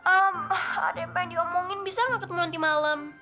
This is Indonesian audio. ada yang pengen diomongin bisa gak ketemu nanti malam